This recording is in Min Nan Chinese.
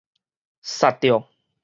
煞著